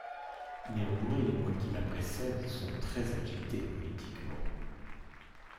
Néanmoins, les mois qui la précèdent sont très agités politiquement.